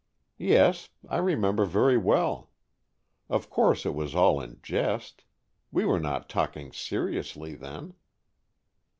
"Yes, I remember very well. Of course it was all in jest. We were not talking seriously then."